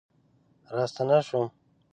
راستنه شوم